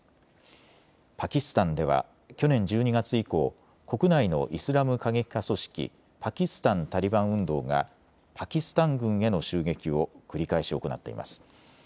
パキスタンでは去年１２月以降、国内のイスラム過激派組織、パキスタン・タリバン運動がパキスタン軍への襲撃を繰り返し行っています。